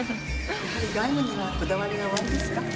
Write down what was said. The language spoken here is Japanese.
やはり外務にはこだわりがおありですか？